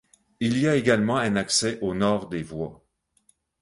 Il y a également un accès au nord des voies.